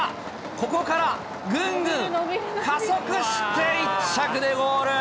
ここからぐんぐん加速して、１着でゴール。